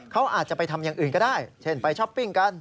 เขาอาจจะไปทำอย่างอื่นก็ได้เช่นไปช้อปปิ้งกัน